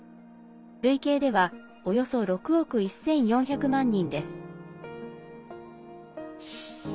累計ではおよそ６億１４００万人です。